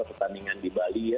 ya ada pertandingan di bali ya